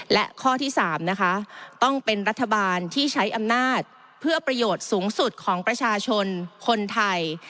และข้อที่๓นะคะต้องเป็นรัฐบาลที่ใช้อำนาจเพื่อประโยชน์สูงสุดของประชาชนคนไทย